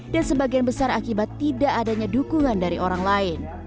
dan sebagian besar akibat tidak adanya dukungan dari orang lain